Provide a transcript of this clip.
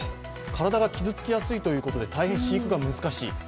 体が傷つきやすいということで大変飼育が難しい。